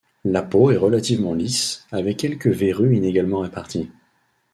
La peau est relativement lisse, avec quelques verrues inégalement réparties.